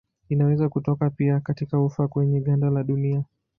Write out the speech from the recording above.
Inaweza kutoka pia katika ufa kwenye ganda la dunia.